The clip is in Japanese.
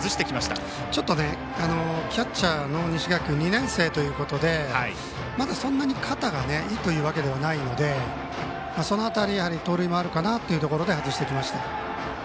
キャッチャーの西垣君２年生ということでまだそんなに肩がいいというわけではないのでその辺り盗塁もあるかなというところで外しました。